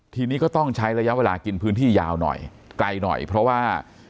ทีนี้ก็ต้องใช้ระยะเวลากินพื้นที่ยาวหน่อยไกลหน่อยเพราะว่า